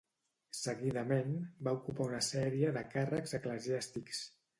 Seguidament, va ocupar una sèrie de càrrecs eclesiàstics.